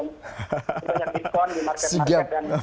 banyak diskon di market market dan